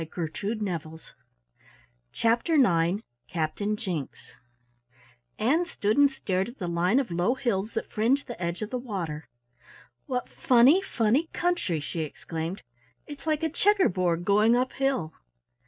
CHAPTER IX CAPTAIN JINKS Ann stood and stared at the line of low hills that fringed the edge of the water. "What funny, funny country!" she exclaimed. "It's like a checker board going up hill."